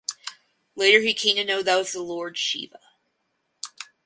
Later he came to know that was the Lord Shiva.